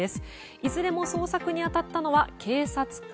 いずれも捜索に当たったのは警察官。